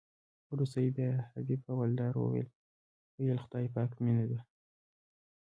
وروسته بیا حبیب حوالدار ویل خدای پاک مینه ده.